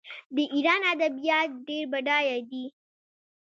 د ایران ادبیات ډیر بډایه دي.